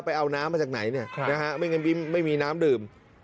ไปเอาน้ำมาจากไหนไม่งั้นไม่มีน้ำดื่ม